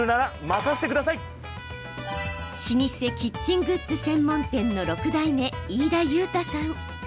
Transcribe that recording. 老舗キッチングッズ専門店の６代目、飯田結太さん。